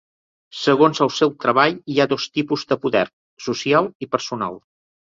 Segons el seu treball hi ha dos tipus de poder, "social" i "personal".